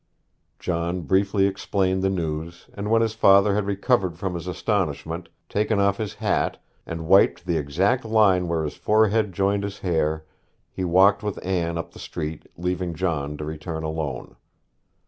John briefly explained the news, and when his father had recovered from his astonishment, taken off his hat, and wiped the exact line where his forehead joined his hair, he walked with Anne up the street, leaving John to return alone.